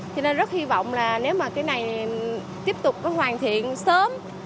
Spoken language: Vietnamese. thế nên rất hy vọng là nếu mà cái này tiếp tục hoàn thiện sớm